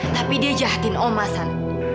tapi dia jahatin oma san